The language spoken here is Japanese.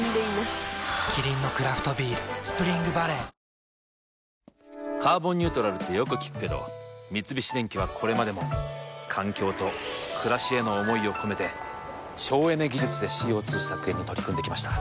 キリンのクラフトビール「スプリングバレー」「カーボンニュートラル」ってよく聞くけど三菱電機はこれまでも環境と暮らしへの思いを込めて省エネ技術でＣＯ２削減に取り組んできました。